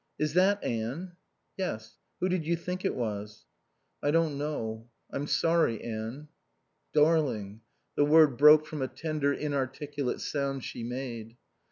"Is that Anne?" "Yes. Who did you think it was?" "I don't know...I'm sorry, Anne." "Darling " the word broke from a tender inarticulate sound she made.